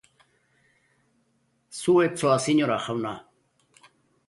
Zu ez zoaz inora, jauna.